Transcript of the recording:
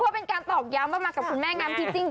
เพราะเป็นการตอกย้ำว่ามากับคุณแม่งามจริง